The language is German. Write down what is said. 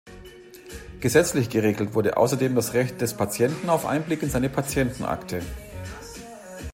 Gesetzlich geregelt wurde außerdem das Recht des Patienten auf Einblick in seine Patientenakte.